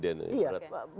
ini berat buat presiden